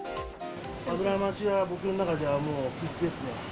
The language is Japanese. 脂増しは僕の中では、もう必須ですね。